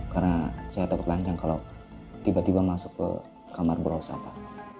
karena saya takut lancar kalau tiba tiba masuk ke kamar berhosa pak